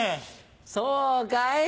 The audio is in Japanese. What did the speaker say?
そうかい？